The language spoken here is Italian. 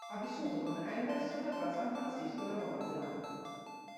Ha vissuto con Anderson tra San Francisco e la Nuova Zelanda.